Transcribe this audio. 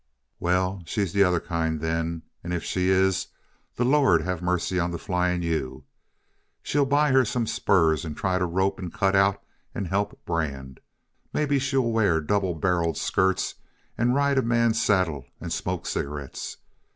"Well, she's the other kind then and if she is, the Lord have mercy on the Flying U! She'll buy her some spurs and try to rope and cut out and help brand. Maybe she'll wear double barreled skirts and ride a man's saddle and smoke cigarettes.